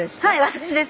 私です。